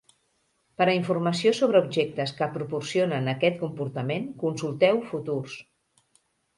Per a informació sobre objectes que proporcionen aquest comportament, consulteu "futurs".